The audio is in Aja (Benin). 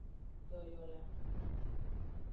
Doyola.